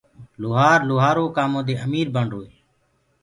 لوهآر لوهآرو ڪآمو دي امير بڻروئي